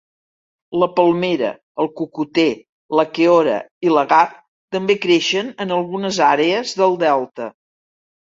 La palmera, el cocoter, la keora i l'agar, també creixen en algunes àrees del delta.